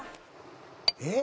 「えっ！